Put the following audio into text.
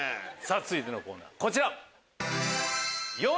続いてのコーナーこちら！